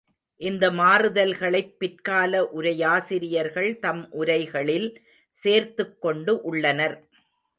இந்த மாறுதல்களைப் பிற்கால உரையாசிரியர்கள் தம் உரைகளில் சேர்த்துக்கொண்டு உள்ளனர்.